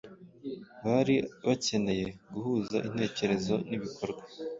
bari bakeneye guhuza intekerezo n’ibikorwa.